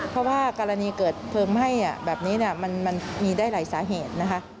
เพราะว่ากรณีเกิดเพลิงไหม้แบบนี้มันมีได้หลายสาเหตุนะคะ